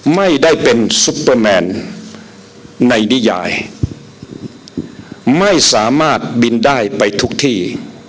ไม่ได้เป็นซุปเปอร์แมนในนิยายไม่สามารถบินได้ไปทุกที่